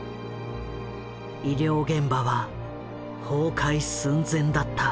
医療現場は崩壊寸前だった。